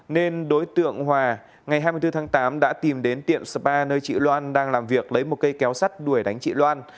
nên đối tượng hòa ngày hai mươi bốn tháng tám đã tìm đến tiệm spa nơi chị loan đang làm việc lấy một cây kéo sắt đuổi đánh chị loan